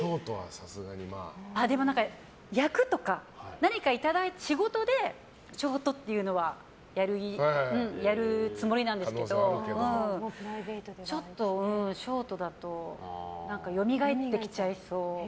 役とか仕事でショートというのはやるつもりなんですけどちょっとショートだとよみがえってきちゃいそう。